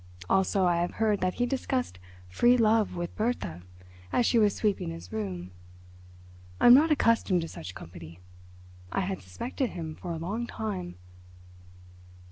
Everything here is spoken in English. Also I have heard that he discussed 'free love' with Bertha as she was sweeping his room. I am not accustomed to such company. I had suspected him for a long time."